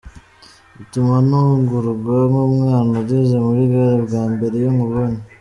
Utuma ntungurwa nk’umwana ugeze muri gare bwa mbere iyo nkubonye.